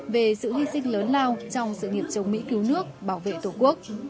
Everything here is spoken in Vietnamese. về sự hy sinh lớn lao trong sự nghiệp chống mỹ cứu nước bảo vệ tổ quốc